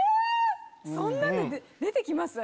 そんなんで出て来ます？